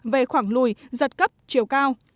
về khoảng lùi giật cấp chiều cao